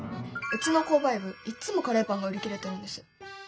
うちの購買部いっつもカレーパンが売り切れてるんです。